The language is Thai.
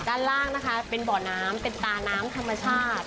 ด้านล่างนะคะเป็นบ่อน้ำเป็นตาน้ำธรรมชาติ